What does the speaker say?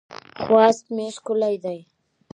خوست مې ښکلی دی